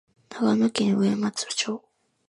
長野県上松町